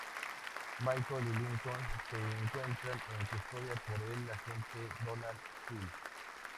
Michael y Lincoln se encuentran en custodia por el agente Donald Self.